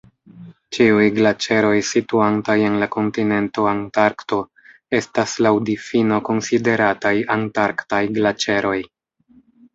Ĉiuj glaĉeroj situantaj en la kontinento Antarkto estas laŭ difino konsiderataj Antarktaj glaĉeroj.